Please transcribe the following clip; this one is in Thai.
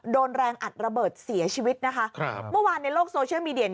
โดนแรงอัดระเบิดเสียชีวิตนะคะครับเมื่อวานในโลกโซเชียลมีเดีย